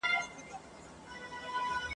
نه یې له تیارې نه له رڼا سره ..